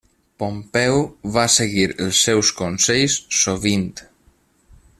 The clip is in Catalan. Pompeu va seguir els seus consells sovint.